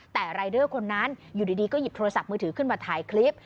แต่รายเดอร์คนนั้นอยู่ดีก็หยิบโทรศัพท์มือถือขึ้นมาถ่ายคลิป